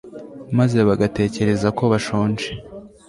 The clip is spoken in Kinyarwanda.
maze bagatekereza ko bashonje